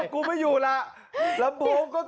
กูไม่อยู่แล้วนั่นคือน้องผู้ชายคนนั้น